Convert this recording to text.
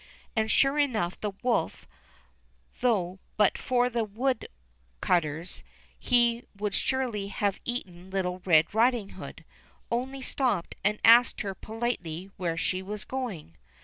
And sure enough the wolf, though but for the wood 272 LITTLE RED RIDING HOOD 273 cutters he would surely have eaten little Red Riding Hood, only stopped and asked her politely where she was going.